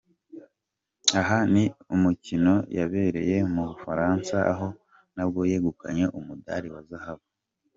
Aha ni mu mikino yabereye mu Bufaransa aho nabwo yegukanye umudari wa zahabu.